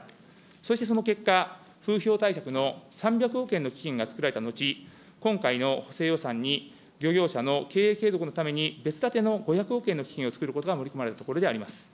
そしてその結果、風評対策の３００億円の基金が作られたのち、今回の補正予算に漁業者の経営継続のために別だての５００億円の基金を作ることが盛り込まれたところであります。